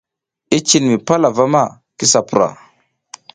I cin mi pal avama, kisa pura.